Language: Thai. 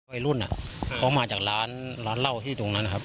วัยรุ่นเขามาจากร้านร้านเหล้าที่ตรงนั้นนะครับ